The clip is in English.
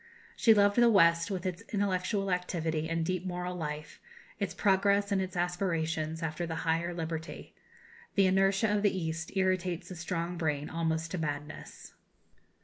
She loved the West, with its intellectual activity and deep moral life, its progress and its aspirations after the higher liberty. The inertia of the East irritates a strong brain almost to madness.